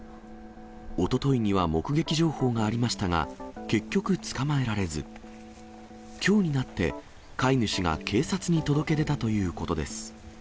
おとといには目撃情報がありましたが、結局捕まえられず、きょうになって、飼い主が警察に届け出たということです。